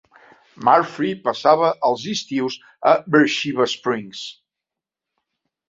Murfree passava els estius a Beersheba Springs.